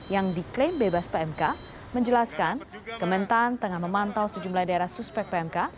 yang diklaim bebas pmk menjelaskan kementan tengah memantau sejumlah daerah suspek pmk